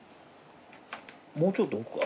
もうちょっと奥か。